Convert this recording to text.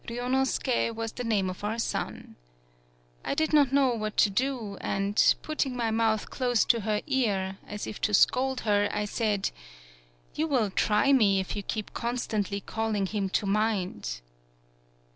Ryunosuke was the name of our son. I did not know what to do and, putting my mouth close to her ear, as if to scold her, I said: 137 PAULOWNIA "You will try me if you keep con stantly calling him to mind